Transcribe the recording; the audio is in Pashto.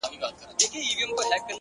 o زه چي د شپې خوب كي ږغېږمه دا،